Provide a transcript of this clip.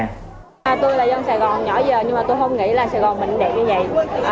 tôi là dân sài gòn nhỏ giờ nhưng mà tôi không nghĩ là sài gòn mình đẹp như vậy